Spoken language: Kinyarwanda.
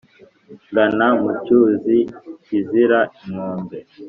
Ngana mu cyuzi kizira inkombe ?